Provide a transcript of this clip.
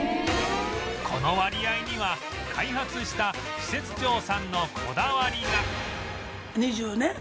この割合には開発した施設長さんのこだわりがえっ！？